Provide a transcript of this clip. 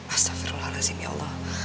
astagfirullahaladzim ya allah